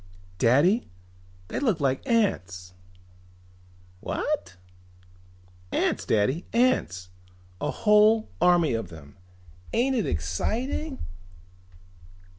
"Daddy, they look like ants!" "What?" "Ants, Daddy, ants! A whole army of them. Ain't it exciting?"